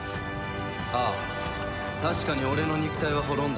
ああ確かに俺の肉体は滅んだ。